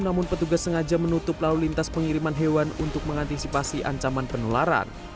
namun petugas sengaja menutup lalu lintas pengiriman hewan untuk mengantisipasi ancaman penularan